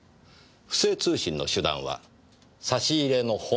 不正通信の手段は差し入れの本。